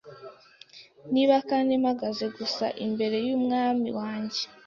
Niba kandi mpagaze gusa imbere y'umwami wanjye